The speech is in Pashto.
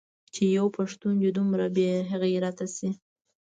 چې يو پښتون دې دومره بې غيرته سي.